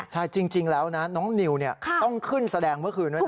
ใช่จริงแล้วนะน้องนิวต้องขึ้นแสดงเมื่อคืนด้วยนะ